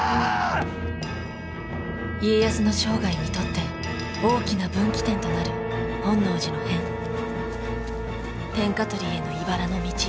家康の生涯にとって大きな分岐点となる本能寺の変天下取りへのいばらの道